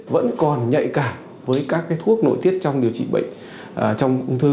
vẫn còn nhạy cảm với các thuốc nội tiết trong điều trị bệnh trong ung thư